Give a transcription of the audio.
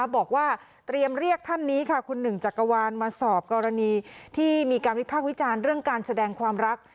บอกว่าเตรียมเรียกท่านนี้ค่ะคุณหนึ่งจักรวาลมาสอบกรณีที่มีการวิพากษ์วิจารณ์เรื่องการแสดงความรัก